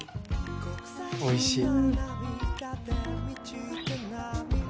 おいしい。